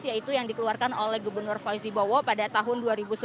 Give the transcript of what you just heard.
yaitu yang dikeluarkan oleh gubernur fauzi bowo pada tahun dua ribu sebelas